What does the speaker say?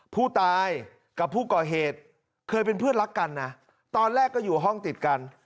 ผู้ตายกับผู้ก่อเหตุเคยเป็นเพื่อนรักกันนะตอนแรกก็อยู่ห้องติดกัน